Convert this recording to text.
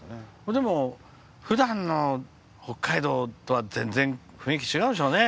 でも、ふだんの北海道とは全然、雰囲気違うでしょうね。